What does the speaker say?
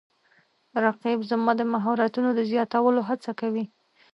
رقیب زما د مهارتونو د زیاتولو هڅه کوي